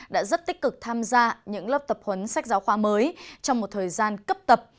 đã rất tích cực tham gia những lớp tập huấn sách giáo khoa mới trong một thời gian cấp tập